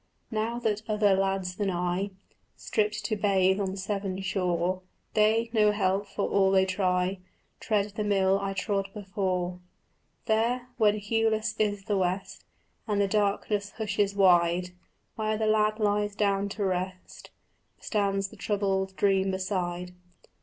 Now that other lads than I Strip to bathe on Severn shore, They, no help, for all they try, Tread the mill I trod before. There, when hueless is the west And the darkness hushes wide, Where the lad lies down to rest Stands the troubled dream beside.